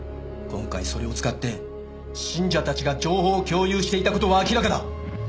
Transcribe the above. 今回それを使って信者たちが情報を共有していた事は明らかだ。